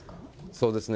そうですね。